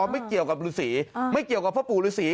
ไม่เกี่ยวกับฤษีไม่เกี่ยวกับพ่อปู่ฤษี